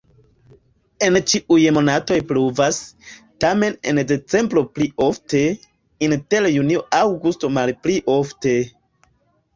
En ĉiuj monatoj pluvas, tamen en decembro pli ofte, inter junio-aŭgusto malpli ofte.